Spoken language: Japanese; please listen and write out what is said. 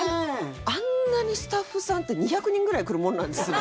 あんなにスタッフさんって２００人くらい来るもんなんですね。